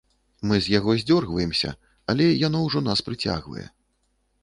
Мы з яго здзёргваемся, але яно ўжо нас прыцягвае.